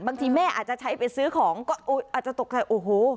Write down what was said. บางทีแม่อาจจะใช้ไปซื้อของก็อาจจะตกใจโอ้โห